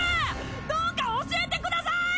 どうか教えてください！